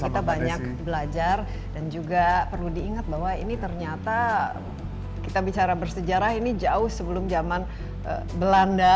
kita banyak belajar dan juga perlu diingat bahwa ini ternyata kita bicara bersejarah ini jauh sebelum zaman belanda